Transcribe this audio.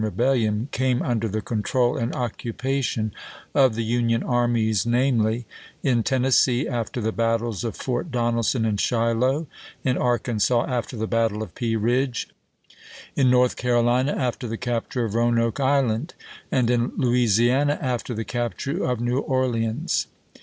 rebellion came under the control and occupation of the Union armies, namely: in Tennessee, after the battles of Fort Donelson and Shiloh; in Ar kansas, after the battle* of Pea Ridge; in North Carolina, after the capture of Roanoke Island ; and in Louisiana, after the capture of New Orleans.